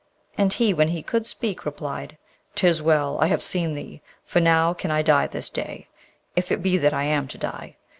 And he, when he could speak, replied, ''Tis well! I have seen thee! for now can I die this day, if it be that I am to die.